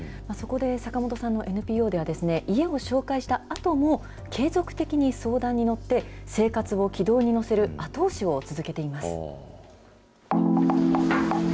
そこで坂本さんのＮＰＯでは、家を紹介したあとも、継続的に相談に乗って、生活を軌道に乗せる後押しを続けています。